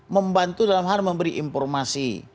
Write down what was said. membantu dalam hal memberi informasi